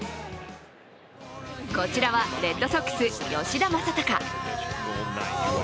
こちらはレッドソックス・吉田正尚。